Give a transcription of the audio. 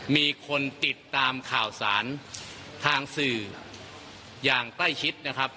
มีคนติดตามข่าวสารทางสื่ออย่างใกล้ชิดนะครับ